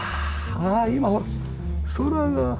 ああ今空が。